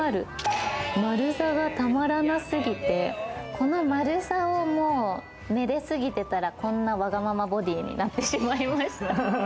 この丸さをめで過ぎてたら、こんなわがままボディになってしまいました。